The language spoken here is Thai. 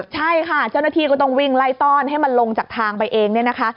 ใช่ค่ะเจ้าหน้าที่ก็ต้องวิ่งไล่ต้อนให้มันลงจากทางไปเองเนี่ยนะคะ